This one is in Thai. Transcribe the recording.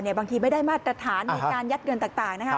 บางทีไม่ได้มาตรฐานมีการยัดเงินต่างนะครับ